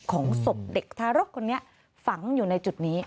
ของศพเด็กทารกคนนี้ฝังอยู่ในจุดนี้